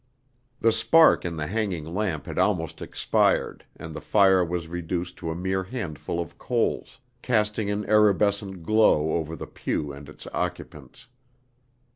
The spark in the hanging lamp had almost expired, and the fire was reduced to a mere handful of coals, casting an erubescent glow over the pew and its occupants.